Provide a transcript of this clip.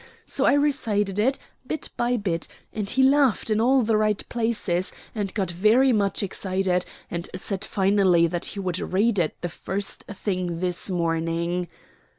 So I recited it, bit by bit, and he laughed in all the right places and got very much excited, and said finally that he would read it the first thing this morning."